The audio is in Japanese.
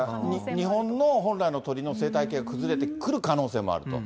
日本の本来の生態系が崩れてくる可能性もあると。